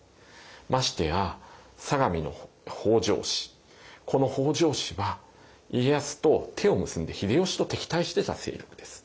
ましてや相模の北条氏この北条氏は家康と手を結んで秀吉と敵対してた勢力です。